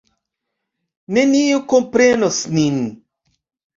Neniu komprenos nin.